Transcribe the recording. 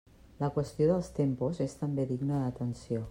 La qüestió dels tempos és també digna d'atenció.